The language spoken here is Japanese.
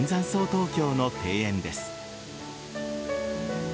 東京の庭園です。